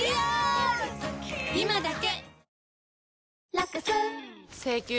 今だけ！